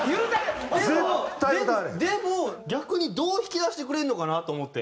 でも逆にどう引き出してくれるのかなと思って。